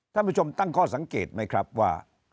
ท่านผู้ชมตั้งข้อสังเกตไหมครับว่า